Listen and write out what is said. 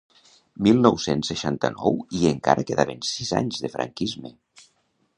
Mil nou-cents seixanta-nou i encara quedaven sis anys de franquisme.